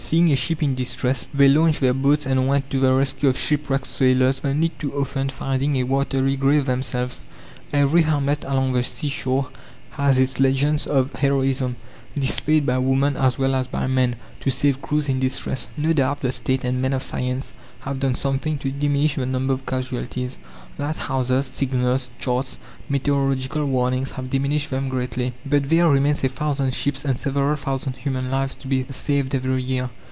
Seeing a ship in distress, they launched their boats and went to the rescue of shipwrecked sailors, only too often finding a watery grave themselves. Every hamlet along the sea shore has its legends of heroism, displayed by woman as well as by man, to save crews in distress. No doubt the State and men of science have done something to diminish the number of casualties. Lighthouses, signals, charts, meteorological warnings have diminished them greatly, but there remains a thousand ships and several thousand human lives to be saved every year.